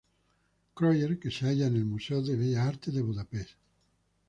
Krøyer que se halla en el Museo de Bellas Artes de Budapest.